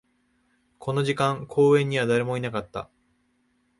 この時間、公園には誰もいなかった